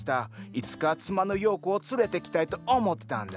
いつか妻のヨーコを連れてきたいと思ってたんだ。